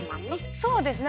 そうですね！